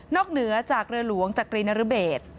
เหนือจากเรือหลวงจักรีนรเบศ